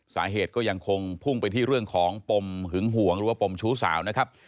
สาเหตุก็ยังคงพุ่งไปที่เรื่องของปมหึงห่วงหรือว่าปมชู้สาวนะครับ